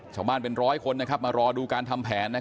ชาวบ้านเป็นร้อยคนมารอดูการทำแผน